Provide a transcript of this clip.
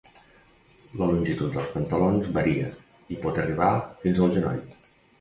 La longitud dels pantalons varia i pot arribar fins al genoll.